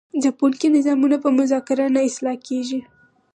ځپونکي نظامونه په مذاکره نه اصلاح کیږي.